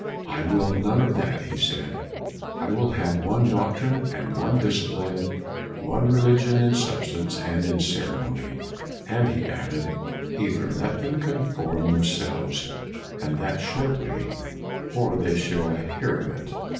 " I will none of that," he said. " I will have one doc trine and one discipline, one religion in substance and in ceremony 1 '; and he added, " Either let them conform them selves, and that shortly, or they shall hear of it."